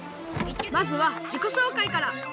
まずはじこしょうかいから！